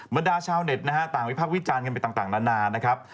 บรรดาชาวเน็ตนะฮะต่างวิพักษ์วิจารณ์กันไปต่างนานานะครับ